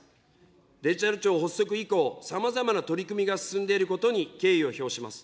デジタル庁発足以降、さまざまな取り組みが進んでいることに敬意を表します。